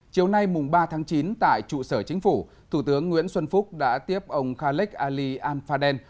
chiều nay mùng ba tháng chín tại trụ sở chính phủ thủ tướng nguyễn xuân phúc đã tiếp ông khaled ali al faden